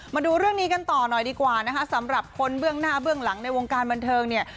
มาดูเรื่องนี้กันต่อหน่อยดีกว่านะคะสำหรับคนเบื้องหน้าเบื้องหลังในวงการบันเทิงเนี่ย